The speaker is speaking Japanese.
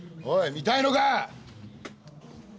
見たいのか！